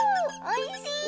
おいしい！